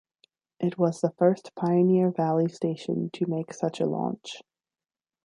It was the first Pioneer Valley station to make such a launch.